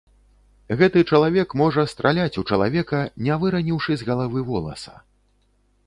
Гэты чалавек можа страляць у чалавека, не выраніўшы з галавы воласа.